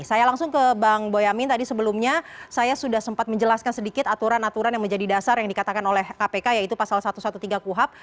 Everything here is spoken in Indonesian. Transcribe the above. saya langsung ke bang boyamin tadi sebelumnya saya sudah sempat menjelaskan sedikit aturan aturan yang menjadi dasar yang dikatakan oleh kpk yaitu pasal satu ratus tiga belas kuhap